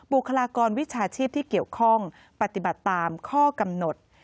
คลากรวิชาชีพที่เกี่ยวข้องปฏิบัติตามข้อกำหนด